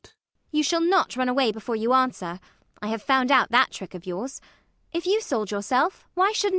You shall not run away before you answer. I have found out that trick of yours. If you sold yourself, why shouldn't I?